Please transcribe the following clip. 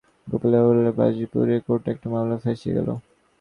গোপালের অবহেলায় বাজিতপুরের কোর্টে একটা মামলা ফাঁসিয়া গেল।